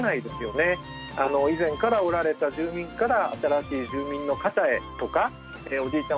以前からおられた住民から新しい住民の方へとかおじいちゃん